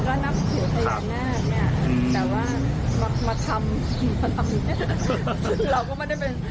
นับถือในหน้าเนี้ยแต่ว่ามามาทำมาทำเราก็ไม่ได้เป็น